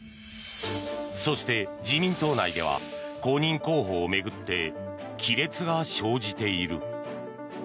そして、自民党内では公認候補を巡って亀裂が生じている。